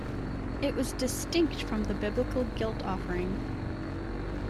It was distinct from the biblical guilt offering.